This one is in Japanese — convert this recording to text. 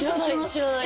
知らない？